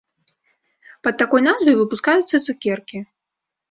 Пад такой назвай выпускаюцца цукеркі.